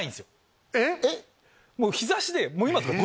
日差しで。